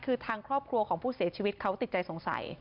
คือทางครอบครัวของผู้เสียชีวิตเขาติดใจสงสัย